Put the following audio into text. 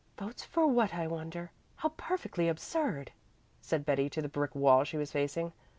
"Votes for what, I wonder? How perfectly absurd!" said Betty to the brick wall she was facing.